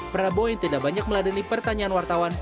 prabowo yang tidak banyak meladani pertanyaan wartawan